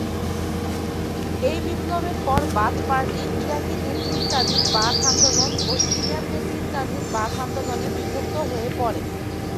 এই বিপ্লবের পর বাথ পার্টি ইরাকি-নেতৃত্বাধীন বাথ আন্দোলন ও সিরিয়ান-নেতৃত্বাধীন বাথ আন্দোলনে বিভক্ত হয়ে পড়ে।